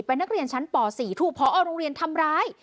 เป็นนักเรียนชั้นป๔ถูกพอโรงเรียนทำร้าย